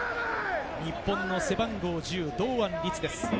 日本の背番号１０、堂安律です。